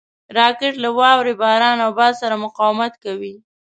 راکټ له واورې، باران او باد سره مقاومت کوي